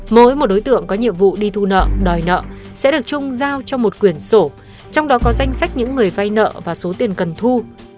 mỗi một đối tượng có nhiệm vụ đi thu nợ đòi nợ sẽ được chung giao cho một quyển sổ trong đó có danh sách những người vay nợ và số tiền cần thu